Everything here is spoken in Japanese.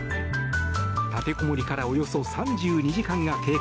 立てこもりからおよそ３２時間が経過。